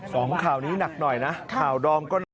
สองข่าวนี้หนักหน่อยนะข่าวดอมก็หนัก